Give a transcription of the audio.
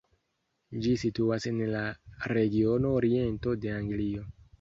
Ĝi situas en la regiono oriento de Anglio.